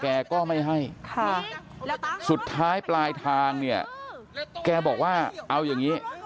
แกก็ไม่ให้ค่ะสุดท้ายปลายทางเนี่ยแกบอกว่าเอาอย่างนี้